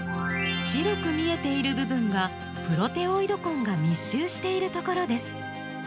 白く見えている部分がプロテオイド根が密集しているところです。